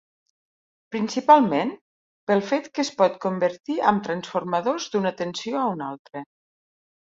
Principalment, pel fet que es pot convertir amb transformadors d'una tensió a un altre.